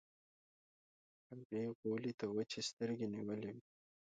هغې غولي ته وچې سترګې نيولې وې.